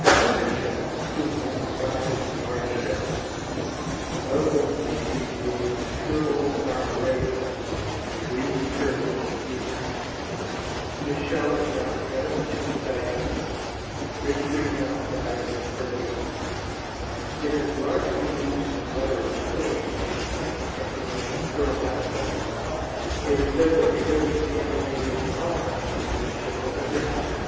The Turban shells include many fine and large shells, a notable species being Turbo marmoratus, the "green turban" of the dealers. This shell is about seven inches in diameter, rich green outside and pearly inside. It is largely used for mother of pearl work and for making pearl buttons. It is said that the early Scandinavian monarchs used this shell as a drinking cup.